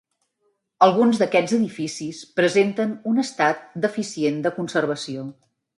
Alguns d'aquests edificis presenten un estat deficient de conservació.